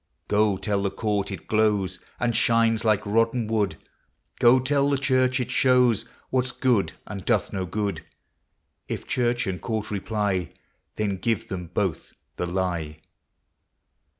Goe tell the court it glowes And shines like rotten wood ; Goe tell the church it showes What \s good, and doth no good ; If church and court reply, Then give them both the lye.